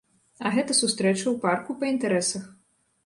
А гэта сустрэча ў парку па інтарэсах.